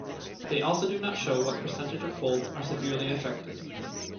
They also do not show what percentage of Folds are severely affected.